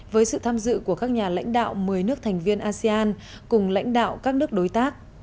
với sự tham dự của các nhà lãnh đạo một mươi nước thành viên asean cùng lãnh đạo các nước đối tác